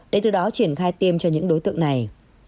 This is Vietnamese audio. để từ đó triển khai tiêm cho những đối tượng này